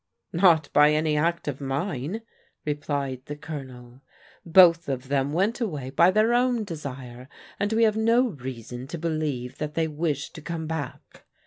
" Not by any act of mine," replied the Colonel. " Both of them went away by their own desire, and we have no reason to believe that they wish to come back.